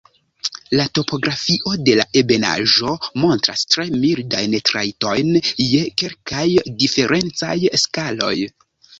La topografio de la ebenaĵo montras tre mildajn trajtojn je kelkaj diferencaj skaloj.